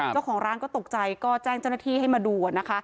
เจ้าของร้านก็ตกใจก็แจ้งเจ้าหน้าที่ให้มาดูนะคะ